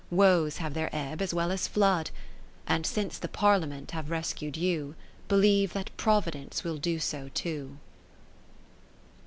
Woes have their ebb as well as flood : And since the Parliament have rescu'd Believe that Providence will do so too.